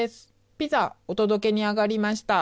ピザお届けに上がりました。